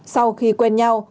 sau khi quen nhau